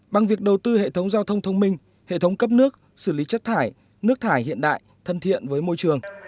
bằng việc đầu tư hệ thống giao thông thông minh hệ thống cấp nước xử lý chất thải nước thải hiện đại thân thiện với môi trường